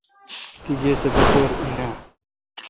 تہ گاے سہ بسو°ر این۔